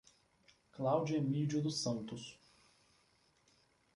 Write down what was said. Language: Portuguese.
Cláudia Emidio dos Santos